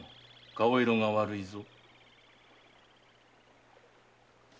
顔色が悪いぞ。